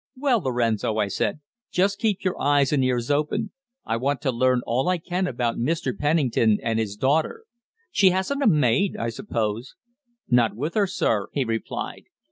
"Well, Lorenzo," I said, "just keep your eyes and ears open. I want to learn all I can about Mr. Pennington and his daughter. She hasn't a maid, I suppose?" "Not with her, sir," he replied.